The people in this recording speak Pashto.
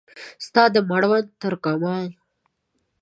ستا د مړوند ترکمان